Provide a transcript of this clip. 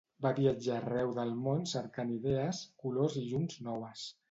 Va viatjar arreu del món cercant idees, colors i llums noves.